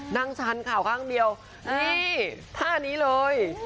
ชันข่าวข้างเดียวนี่ท่านี้เลย